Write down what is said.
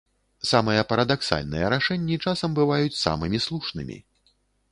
Самыя парадаксальныя рашэнні часам бываюць самымі слушнымі.